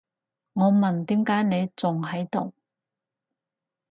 我問，點解你仲喺度？